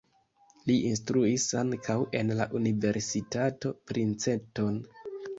Li instruis ankaŭ en la Universitato Princeton.